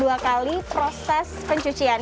dua kali proses pencucian